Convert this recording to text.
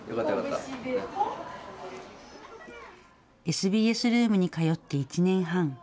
ＳＢＳルームに通って１年半。